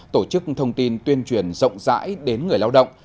tổ chức thông tin tuyên truyền rộng rãi đến người lao động